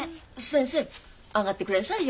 先生上がってくれんさいよ。